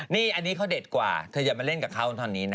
นี่อันนี้เขาเด็ดกว่าเธออย่ามาเล่นกับเขาตอนนี้นะ